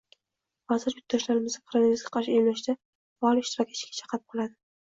Vazir yurtdoshlarimizni koronavirusga qarshi emlashda faol ishtirok etishga chaqirib qoladi.